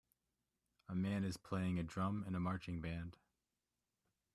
A man is playing a drum in a marching band.